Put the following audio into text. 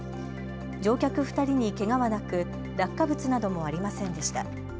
乗客２人にけがはなく落下物などもありませんでした。